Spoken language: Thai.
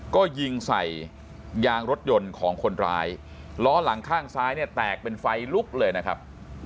ก็ยิงใส่ยางรถยนต์ของคนร้ายล้อหลังข้างซ้ายเนี่ยแตกเป็นไฟลุกเลยนะครับ